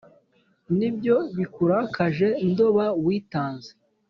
Ni byo bikurakaje Ndoba witanze,